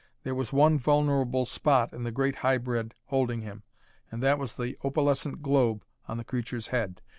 There was one vulnerable spot in the great hybrid holding him, and that was the opalescent globe on the creature's head.